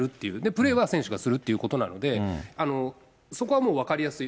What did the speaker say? プレーは選手がするということなので、そこはもう分かりやすい。